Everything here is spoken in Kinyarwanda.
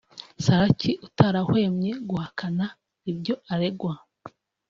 Saraki utarahwemye guhakana ibyo aregwa